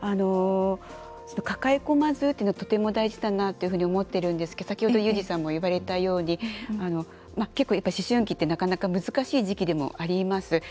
抱え込まずっていうのはとても大事だなというふうに思ってるんですけど、先ほどユージさんも言われたように結構、思春期ってなかなか難しい時期でもあります。